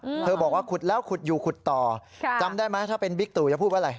เธอบอกว่าขุดแล้วขุดอยู่ขุดต่อค่ะจำได้ไหมถ้าเป็นบิ๊กตู่จะพูดว่าอะไร